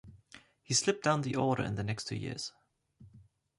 He slipped down the order in the next two years.